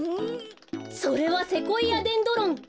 それはセコイアデンドロン。